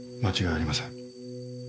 間違いありません。